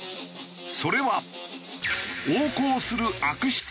それは。